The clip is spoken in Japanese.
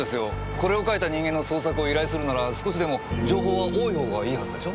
これを描いた人間の捜索を依頼するなら少しでも情報は多い方がいいはずでしょ？